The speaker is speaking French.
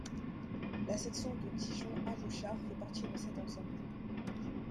La section de Dijon à Mouchard fait partie de cet ensemble.